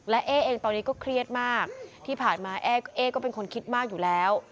และเอ๊เองตอนนี้ก็เครียดมากที่ผ่านมาเอ๊ก็เป็นคนคิดมากอยู่แล้ว